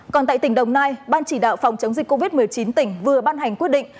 còn tại tỉnh đồng nai ban chỉ đạo phòng chống dịch covid một mươi chín tỉnh vừa ban hành quyết định